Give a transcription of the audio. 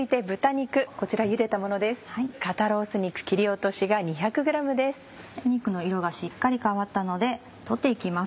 肉の色がしっかり変わったので取って行きます。